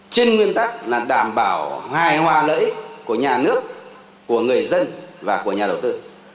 trên nguyên tắc là đảm bảo hài hòa lợi của nhà nước của người dân và của nhà đầu tư